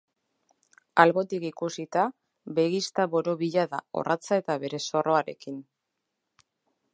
Albotik ikusita, begizta borobila da orratza eta bere zorroarekin.